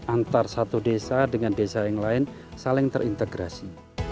antara satu desa dengan desa yang lain saling terintegrasi